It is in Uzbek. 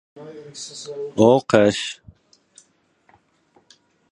— Betingizni tuting, bir o‘pay!